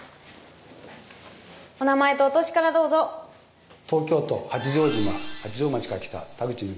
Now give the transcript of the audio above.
お名前とお歳からどうぞ東京都八丈島八丈町から来た田口惠